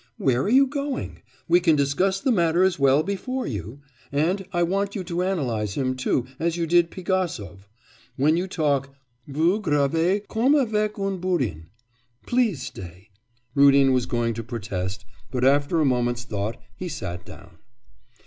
'Where are you going? We can discuss the matter as well before you. And I want you to analyse him too, as you did Pigasov. When you talk, vous gravez comme avec un burin. Please stay.' Rudin was going to protest, but after a moment's thought he sat down.